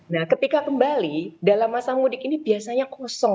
nah ketika kembali dalam masa mudik ini biasanya kosong